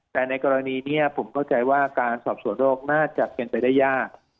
แต่ในกรณีนี้ผมเข้าใจว่าการสอบสวนโรคน่าจะเป็นไปได้ยาก